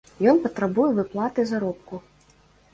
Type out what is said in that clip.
Ён патрабуе выплаты заробку.